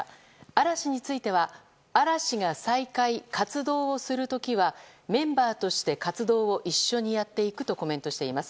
嵐については嵐が再開、活動する時はメンバーとして活動を一緒にやっていくとコメントしています。